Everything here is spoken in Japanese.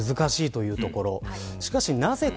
いわく難しいというところ。